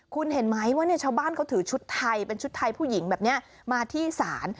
คุณเห็นไหมว่าชาวบ้านเขาถือชุดไทยเป็นชุดไทยผู้หญิงแบบนี้มาที่ศาล